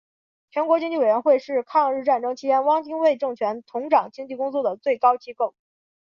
全国经济委员会是抗日战争期间汪精卫政权统掌经济工作的最高机构。